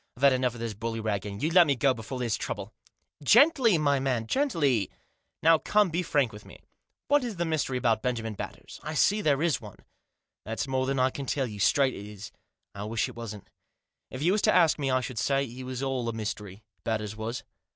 I've had enough of this bullyragging. You let me go before there's trouble." " Gently, my man, gently ! Now, come, be frank Digitized by LUKE. 207 with me. What is the mystery about Benjamin Batters ? I see there is one." " That's more than I can tell you, straight it is. I wish it wasn't. If you was to ask me I should say he was all mystery, Batters was."